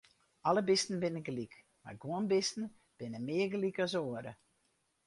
Alle bisten binne gelyk, mar guon bisten binne mear gelyk as oare.